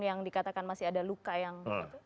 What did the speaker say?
yang dikatakan masih ada luka yang